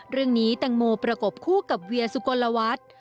เรื่องนี้แตงโมประกบคู่กับเวียสุกลวัฒน์